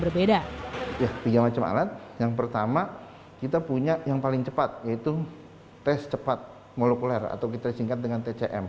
berbeda yang pertama kita punya yang paling cepat yaitu tes cepat molekuler atau kita singkat dengan